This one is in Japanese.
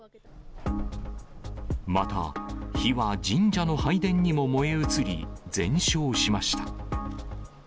また、火は神社の拝殿にも燃え移り、全焼しました。